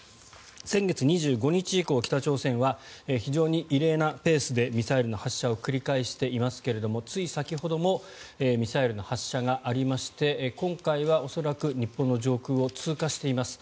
先月２５日以降、北朝鮮は非常に異例なペースでミサイルの発射を繰り返していますがつい先ほどもミサイルの発射がありまして今回は恐らく日本の上空を通過しています。